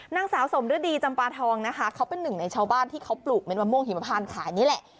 นางสาวสมฤดีจำปาทองนะคะเขาเป็นหนึ่งในชาวบ้านที่เขาปลูกเม็ดมะม่วงหิมพานขายนี่แหละ